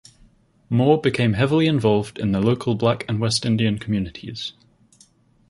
Moore became heavily involved in the local Black and West Indian communities.